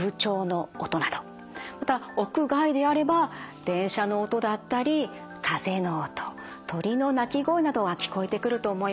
また屋外であれば電車の音だったり風の音鳥の鳴き声などは聞こえてくると思います。